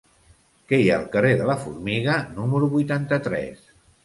Què hi ha al carrer de la Formiga número vuitanta-tres?